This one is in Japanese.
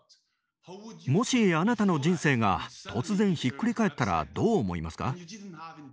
もしあなたの人生が突然ひっくり返ったらどう思いますか？